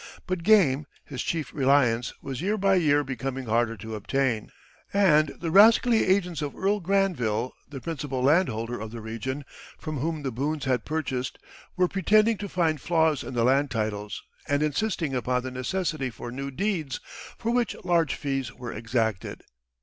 But game, his chief reliance, was year by year becoming harder to obtain. And the rascally agents of Earl Granville, the principal landholder of the region, from whom the Boones had purchased, were pretending to find flaws in the land titles and insisting upon the necessity for new deeds, for which large fees were exacted.